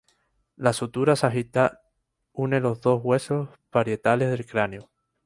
La sutura sagital une los dos huesos parietales del cráneo.